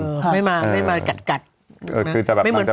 หมดทุกอย่าง